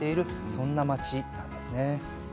そんな町なんですね。